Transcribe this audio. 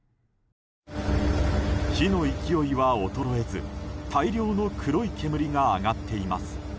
火の勢いは衰えず大量の黒い煙が上がっています。